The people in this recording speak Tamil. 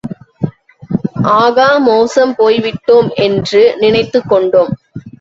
ஆகா மோசம் போய் விட்டோம் என்று நினைத்துக் கொண்டோம்.